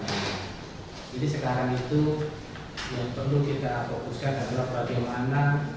jadi sekarang itu yang perlu kita fokuskan adalah bagaimana